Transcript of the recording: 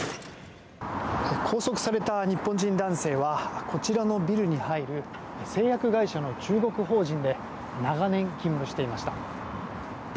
拘束された日本人男性はこちらのビルに入る製薬会社の中国法人で長年、勤務していました。